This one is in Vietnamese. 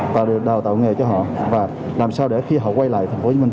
tạo điều kiện đào tạo nghề cho họ và làm sao để khi họ quay lại thành phố hồ chí minh